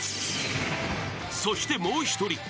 ［そしてもう一人］